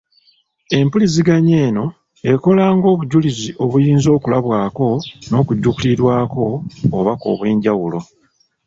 Empuliziganya eno ekola ng'obujulizi obuyinza okulabwako n'okujjukirirwako obubaka obw'enjawulo.